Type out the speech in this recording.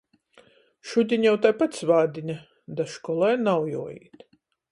Šudiņ jau taipat svātdīne, da školai nav juoīt.